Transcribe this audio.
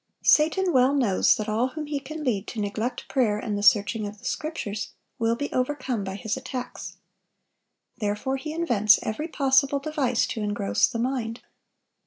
Satan well knows that all whom he can lead to neglect prayer and the searching of the Scriptures, will be overcome by his attacks. Therefore he invents every possible device to engross the mind.